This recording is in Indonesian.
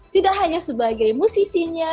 tidak hanya sebagai musisinya